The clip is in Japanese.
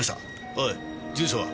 おい住所は？